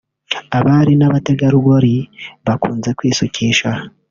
Abari n’abategarugori bakunze kwisukisha